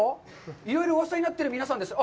いろいろうわさになっている皆さんですね。